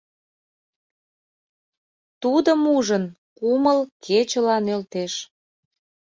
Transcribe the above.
Тудым ужын, кумыл кечыла нӧлтеш.